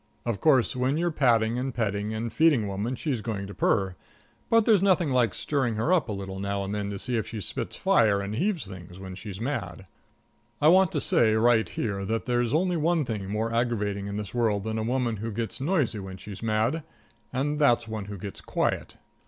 Of course, when you're patting and petting and feeding a woman she's going to purr, but there's nothing like stirring her up a little now and then to see if she spits fire and heaves things when she's mad. I want to say right here that there's only one thing more aggravating in this world than a woman who gets noisy when she's mad, and that's one who gets quiet.